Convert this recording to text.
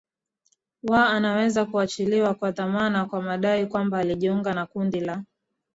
wa anaweza kuachiliwa kwa dhamana kwa madai kwamba alijiunga na kundi la